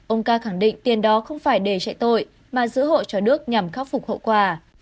ông ca khẳng định tiền đó không phải để chạy tội mà giữ hộ cho đức nhằm khắc phục hậu quả